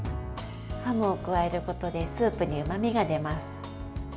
ハムを加えることでスープにうまみが出ます。